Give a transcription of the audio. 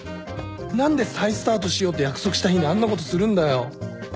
何で再スタートしようって約束した日にあんなことするんだよ？